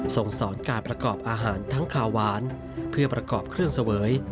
ส่งสอนการประกอบอาหารทั้งขาวหวานเพื่อประกอบเครื่องเสวย